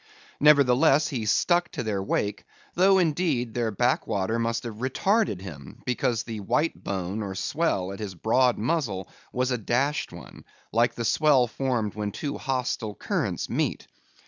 Nevertheless, he stuck to their wake, though indeed their back water must have retarded him, because the white bone or swell at his broad muzzle was a dashed one, like the swell formed when two hostile currents meet.